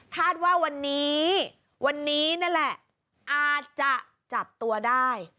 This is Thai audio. คาดว่าวันนี้วันนี้นั่นแหละอาจจะจับตัวได้